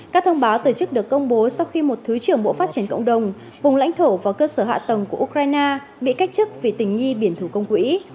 các thông báo từ chức được công bố sau khi một thứ trưởng bộ phát triển cộng đồng vùng lãnh thổ và cơ sở hạ tầng của ukraine bị cách chức vì tình nghi biển thủ công quỹ